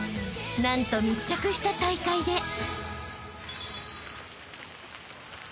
［何と密着した大会で］